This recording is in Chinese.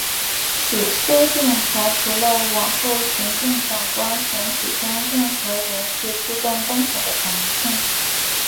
此修订排除了往后行政长官选举中任何人士自动当选的可能性。